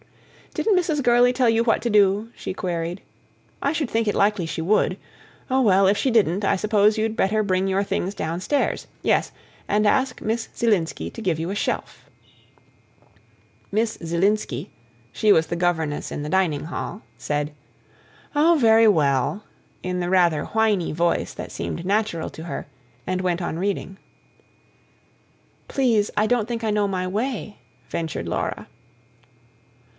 "Didn't Mrs. Gurley tell you what to do?" she queried. "I should think it likely she would. Oh well, if she didn't, I suppose you'd better bring your things downstairs. Yes ... and ask Miss Zielinski to give you a shelf." Miss Zielinski she was the governess in the dining hall said: "Oh, very well," in the rather whiny voice that seemed natural to her, and went on reading. "Please, I don't think I know my way," ventured Laura.